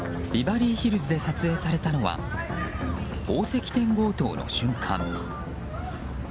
ビバリーヒルズで撮影されたのは宝石店強盗の瞬間。